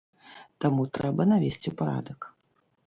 Таму трэба навесці парадак.